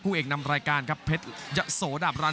เอกนำรายการครับเพชรยะโสดาบรัน